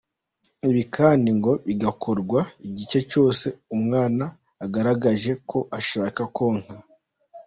Ibi kandi ngo bigakorwa igihe cyose umwana agaragaje ko ashaka konka.